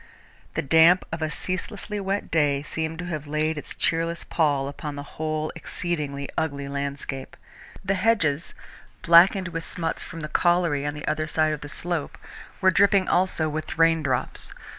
The damp of a ceaselessly wet day seemed to have laid its cheerless pall upon the whole exceedingly ugly landscape. The hedges, blackened with smuts from the colliery on the other side of the slope, were dripping also with raindrops.